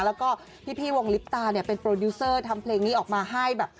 แล้วก็พี่วงลิปตาเนี่ยเป็นโปรดิวเซอร์ทำเพลงนี้ออกมาให้แบบ